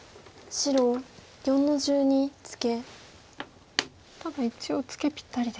白４の十三ツギ。